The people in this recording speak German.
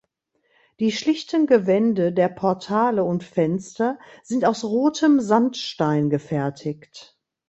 Die schlichten Gewände der Portale und Fenster sind aus rotem Sandstein gefertigt.